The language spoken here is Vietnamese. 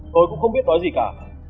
tôi cũng không biết nói gì cả